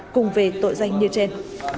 cùng về tội danh như trên